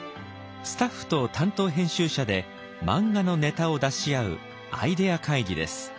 スタッフと担当編集者で漫画のネタを出し合うアイデア会議です。